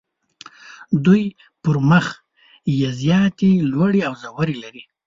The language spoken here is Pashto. دوی پر مخ یې زیاتې لوړې او ژورې لري.